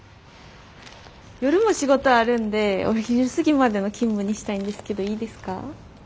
夜も仕事あるんでお昼過ぎまでの勤務にしたいんですけどいいですか？